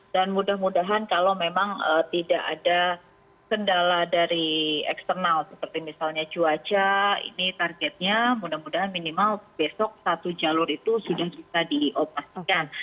dan mudah mudahan kalau memang tidak ada kendala dari eksternal seperti misalnya cuaca ini targetnya mudah mudahan minimal besok satu jalur itu sudah bisa diopasikan